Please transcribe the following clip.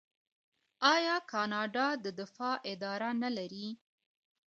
آیا کاناډا د دفاع اداره نلري؟